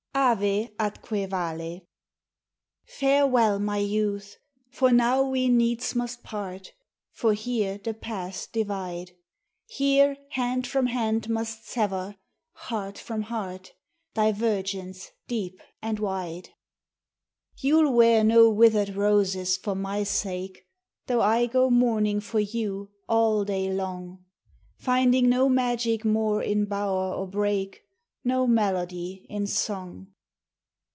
AVE ATQUE VALE. Farewell, my Youth ! for now we needs must part, For here the paths divide ; 192 POEMS OF SENTIMENT. Here hand from hand must sever, heart from hearts Divergence deep and wide. You '11 wear no withered roses for my sake, Though I go mourning for you all day long, Finding no magic more in bower or brake, No melody in song.